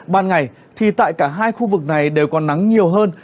ban ngày thì tại cả hai khu vực này đều có nắng nhiều hơn